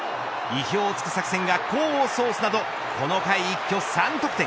意表を突く作戦が功を奏すなどこの回一挙３得点。